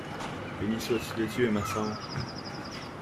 Bénie sois-tu de Dieu, ma sœur!